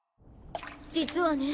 実はね